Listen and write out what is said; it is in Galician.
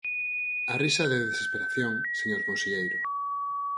A risa de desesperación, señor conselleiro.